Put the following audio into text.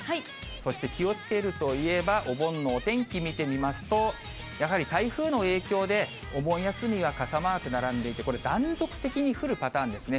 そして気をつけるといえば、お盆のお天気見てみますと、やはり台風の影響で、お盆休みは傘マーク並んでいて、これ、断続的に降るパターンですね。